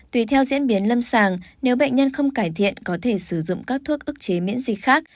tùy theo diễn biến lâm sàng nếu bệnh nhân không cải thiện có thể sử dụng các thuốc ức chế miễn dịch khác